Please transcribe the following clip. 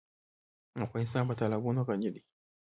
افغانستان په تالابونه غني دی.